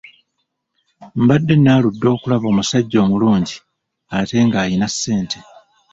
Mbadde naaludde okulaba omusajja omulungi ate ng'ayina ssente.